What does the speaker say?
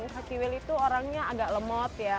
haki wil itu orangnya agak lemot ya